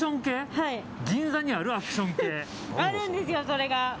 あるんですよ、それが。